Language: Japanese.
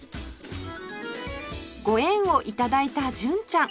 ご縁を頂いた純ちゃん